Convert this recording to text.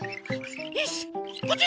よしこっち！